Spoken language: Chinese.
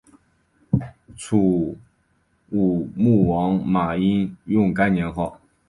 楚武穆王马殷用该年号。